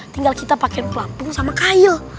tinggal kita pake pelampung sama kayu